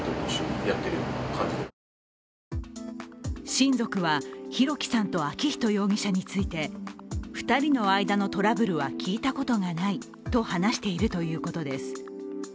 親族は、弘輝さんと昭仁容疑者について２人の間のトラブルは聞いたことがないと話しているということです。